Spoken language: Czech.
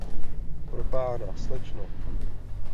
Propána, slečno!